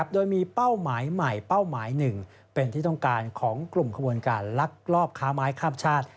โดยมีเป้าหมายใหม่เป้าหมายหนึ่งเป็นที่ต้องการของกลุ่มขบวนการลักลอบค้าไม้ข้ามชาติ